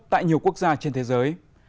tại nhiều quốc gia trên thế giới